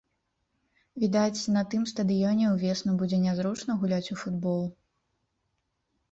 Відаць, на тым стадыёне ўвесну будзе нязручна гуляць у футбол.